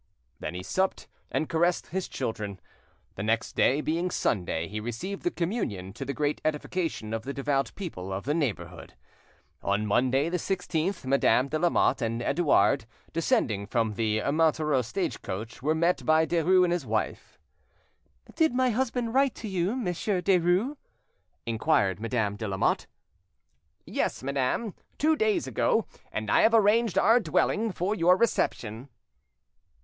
Then he supped, and caressed his children. The next day being Sunday, he received the communion, to the great edification of the devout people of the neighbourhood. On Monday the 16th Madame de Lamotte and Edouard, descending from the Montereau stagecoach, were met by Derues and his wife. "Did my husband write to you, Monsieur Derues?" inquired Madame de Lamotte. "Yes, madame, two days ago; and I have arranged our dwelling for your reception."